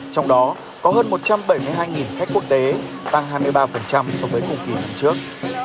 trong đó có hơn một trăm bảy mươi hai khách quốc tế tăng hai mươi ba so với cùng kỳ năm trước